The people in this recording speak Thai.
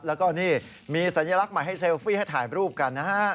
แล้วก็นี่มีสัญลักษณ์ใหม่ให้เซลฟี่ให้ถ่ายรูปกันนะฮะ